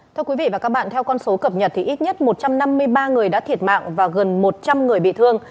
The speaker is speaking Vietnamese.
thưa quý vị và các bạn theo con số cập nhật thì ít nhất một trăm năm mươi ba người đã thiệt mạng và gần một trăm linh người bị thương